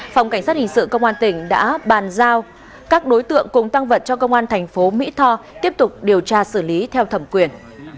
phòng cảnh sát hình sự công an tỉnh đã bàn giao các đối tượng cùng tăng vật cho công an thành phố mỹ tho tiếp tục điều tra xử lý theo thẩm quyền